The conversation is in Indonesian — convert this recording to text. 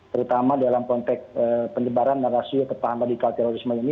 terutama dalam konteks penyebaran narasi atau paham radikal terorisme ini